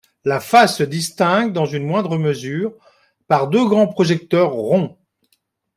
La face se distingue dans une moindre mesure, par deux grands projecteurs ronds.